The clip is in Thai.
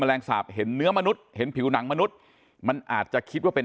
แรงสาปเห็นเนื้อมนุษย์เห็นผิวหนังมนุษย์มันอาจจะคิดว่าเป็น